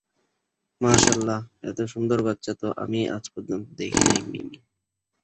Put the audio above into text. মাশাআল্লাহ, এতো সুন্দর বাচ্চা তো আমি আজ পর্যন্ত দেখি নাই মিমি।